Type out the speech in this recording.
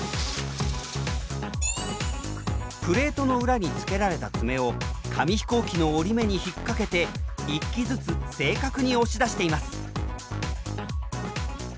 プレートの裏につけられたツメを紙飛行機の折り目に引っ掛けて１機ずつ正確に押し出しています。